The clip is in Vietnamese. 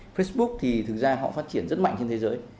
facebook thì thực ra họ phát triển rất mạnh trên thế giới